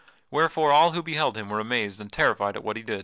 Wherefore all who beheld him were amazed and terrified at what he did.